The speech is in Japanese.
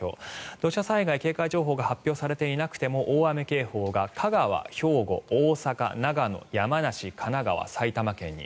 土砂災害警戒情報が発表されていなくても大雨警報が香川、兵庫、大阪長野、山梨、神奈川、埼玉県に。